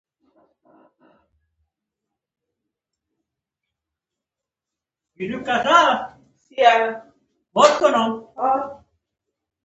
يوه ورځ د بلي خور ده.